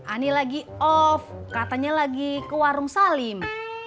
ani lagi off katanya lagi ke warung salim